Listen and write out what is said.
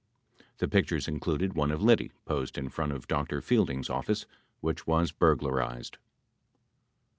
The pictures in cluded one of Liddy posed in front of Dr. Fielding's office which was burglarized.